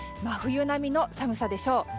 真冬並みの寒さでしょう。